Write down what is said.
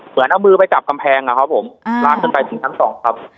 เหมือนเอามือไปจับกำแพงอะครับผมลากขึ้นไปถึงชั้นสองครับ